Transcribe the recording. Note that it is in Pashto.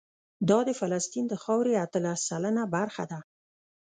دا د فلسطین د خاورې اتلس سلنه برخه ده.